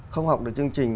không học được chương trình